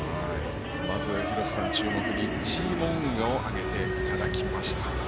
まず廣瀬さんは注目にリッチー・モウンガを挙げていただきました。